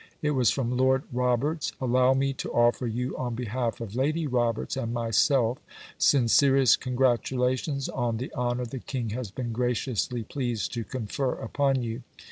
It was from Lord Roberts: "Allow me to offer you on behalf of Lady Roberts and myself sincerest congratulations on the honour the King has been graciously pleased to confer upon you.